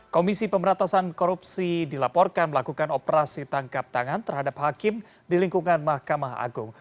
komisi pemberantasan korupsi dilaporkan melakukan operasi tangkap tangan terhadap hakim di lingkungan mahkamah agung